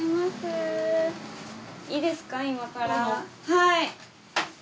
はい。